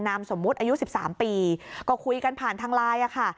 นามสมมุติอายุ๑๓ปีก็คุยกันผ่านทางไลน์ค่ะ